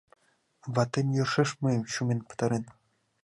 Ватем йӧршеш мыйым чумен пытарен.